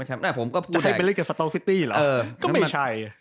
จะให้ไปเล่นกับสตาร์ทซิตี้เหรอก็ไม่ใช่